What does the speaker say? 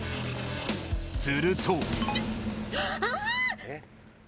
すると。